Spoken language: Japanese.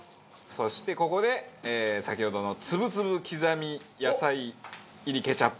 そしてここで先ほどのつぶつぶ刻み野菜入りケチャップ。